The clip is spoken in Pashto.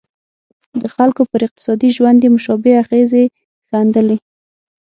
د خلکو پر اقتصادي ژوند یې مشابه اغېزې ښندلې.